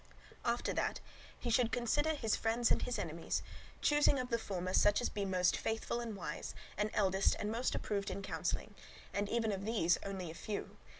After that he should consider his friends and his enemies, choosing of the former such as be most faithful and wise, and eldest and most approved in counselling; and even of these only a few.